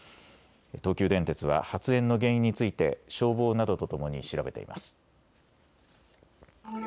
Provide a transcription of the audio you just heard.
東急電鉄は発煙の原因について消防などとともに調べています。